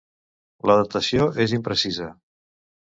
La datació és imprecisa.